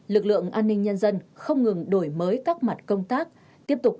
lực lượng an ninh nhân dân không ngừng đổi mới các mặt công tác